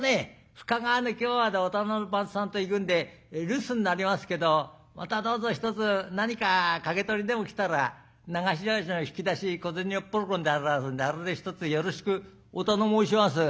深川の木場までお店の番頭さんと行くんで留守になりますけどまたどうぞひとつ何か掛け取りでも来たら流しの引き出しに小銭をおっぽり込んどいてありますんであれでひとつよろしくお頼申します。